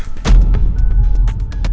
aku mau buktikan